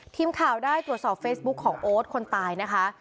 ทีมข่าวได้ตรวจสอบเฟซบุ๊คของโอ๊ตคนตายนะคะ